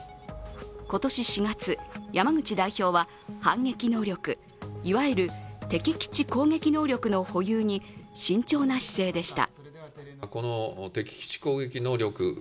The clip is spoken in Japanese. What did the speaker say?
今年４月、山口代表は反撃能力、いわゆる敵基地攻撃能力の保有に慎重な姿勢でした。